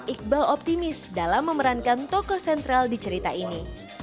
iqbal optimis dalam memerankan tokoh sentral di cerita ini